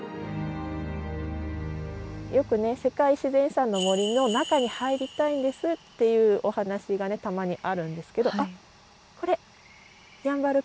よくね世界自然遺産の森の中に入りたいんですっていうお話がたまにあるんですけど。